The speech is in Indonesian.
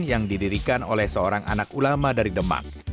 yang didirikan oleh seorang anak ulama dari demak